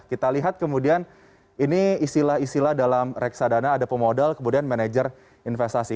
kita lihat kemudian ini istilah istilah dalam reksadana ada pemodal kemudian manajer investasi